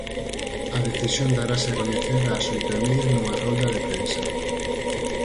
A decisión darase a coñecer ás oito e media nunha rolda de prensa.